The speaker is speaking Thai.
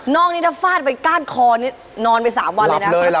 อกนี้ถ้าฟาดไปก้านคอนี่นอนไป๓วันเลยนะ